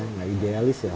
nggak idealis ya